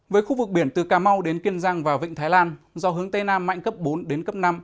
với khu vực biển từ cà mau đến kiên giang và vịnh thái lan gió hướng tây nam mạnh cấp bốn đến cấp năm